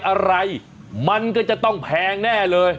อะไรมันก็จะต้องแพงแน่เลย